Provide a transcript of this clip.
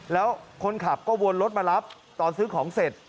แล้วคนขับก็วนรถมารับตอนซื้อของเสร็จ